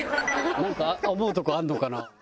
なんか思うとこあるのかな。